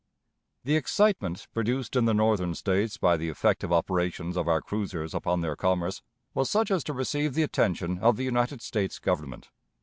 The excitement produced in the Northern States by the effective operations of our cruisers upon their commerce was such as to receive the attention of the United States Government.